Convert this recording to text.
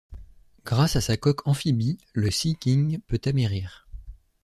Grâce à sa coque amphibie, le Sea King peut amerrir.